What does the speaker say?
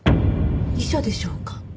遺書でしょうか？